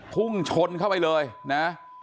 พุ่งชนเข้าไปเลยนะ